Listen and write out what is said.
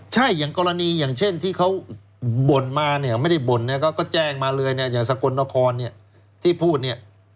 ใช่อย่างกรณีอย่างเช่นที่เขาบ่นมาเนี่ยไม่ได้บ่นเนี่ยก็แจ้งมาเลยเนี่ยอย่างสกลนครเนี่ยที่พูดเนี่ย